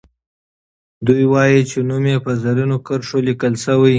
دوي وايي چې نوم یې په زرینو کرښو لیکل سوی.